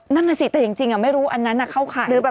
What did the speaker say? นั่นน่ะสิแต่จริงไม่รู้อันนั้นเข้าข่ายหรือเปล่า